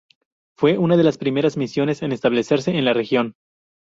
Fue una de las primeras misiones en establecerse en la región.